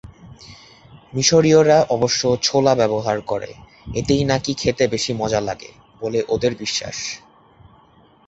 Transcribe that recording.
মিশরীয়রা অবশ্য ছোলা ব্যবহার করে, এতেই নাকি খেতে বেশি মজা লাগে বলে ওদের বিশ্বাস।